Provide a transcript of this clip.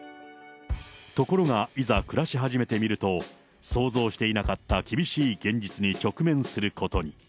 ところが、いざ暮らし始めてみると、想像していなかった厳しい現実に直面することに。